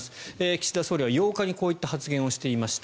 岸田総理は８日にこういった発言をしていました。